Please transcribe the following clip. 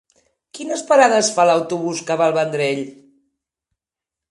Quines parades fa l'autobús que va al Vendrell?